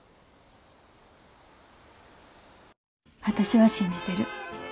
私は信じてる。